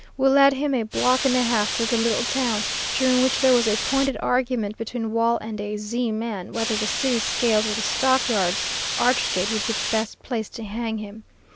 We led him a block and a half through the little town, during which there was a pointed argument between Wall and a "Z " man whether the city scales or the stockyards arch gate would be the best place to hang him.